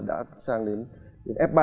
đã sang đến f ba